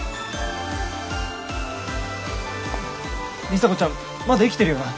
里紗子ちゃんまだ生きてるよな？